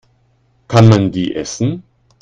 Kann man die essen?